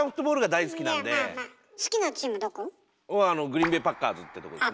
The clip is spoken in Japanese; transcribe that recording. グリーンベイ・パッカーズってとこですね。